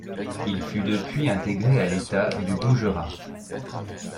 Il fut depuis intégrer à l'État du Goujerat.